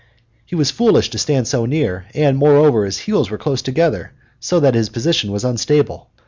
He was foolish to stand so near, and, moreover, his heels were close together, so that his position was unstable.